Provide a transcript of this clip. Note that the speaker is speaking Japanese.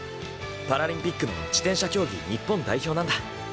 パラリンピックの自転車競技日本代表なんだ。